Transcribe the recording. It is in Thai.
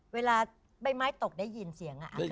ใบไม้ตกได้ยินเสียง